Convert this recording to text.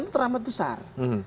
itu teramat besar